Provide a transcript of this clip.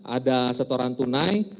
ada setoran tunai